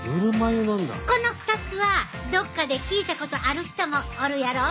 この２つはどっかで聞いたことある人もおるやろ。